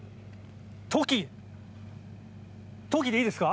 トキ、トキでいいですか？